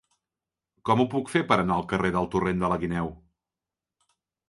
Com ho puc fer per anar al carrer del Torrent de la Guineu?